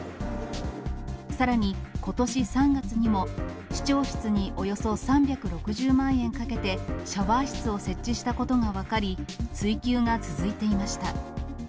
さらに、ことし３月にも市長室におよそ３６０万円かけてシャワー室を設置したことが分かり、追及が続いていました。